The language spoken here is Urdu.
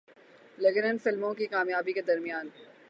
لیکن ان فلموں کی کامیابی کے درمیان